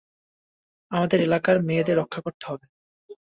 আমাদের এলাকার মেয়েদের রক্ষা করতে হবে।